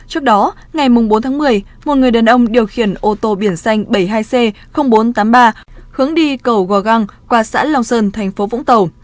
trước đó ngày bốn tháng một mươi một người đàn ông điều khiển ô tô biển xanh bảy mươi hai c bốn trăm tám mươi ba hướng đi cầu gò găng qua xã long sơn thành phố vũng tàu